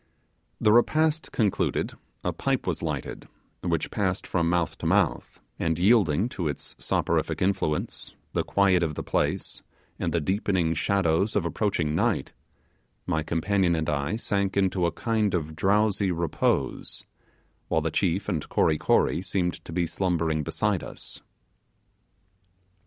The repast concluded, a pipe was lighted, which passed from mouth to mouth, and yielding to its soporific influence, the quiet of the place, and the deepening shadows of approaching night, my companion and I sank into a kind of drowsy repose, while the chief and Kory Kory seemed to be slumbering beside us.